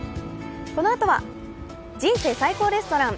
このあとは、「人生最高レストラン」。